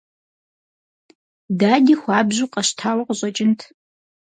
Дади хуабжьу къэщтауэ къыщӀэкӀынт.